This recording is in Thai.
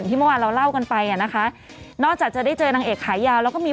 คนก็คือจำได้